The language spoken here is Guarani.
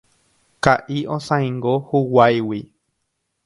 Ka'i osãingo huguáigui.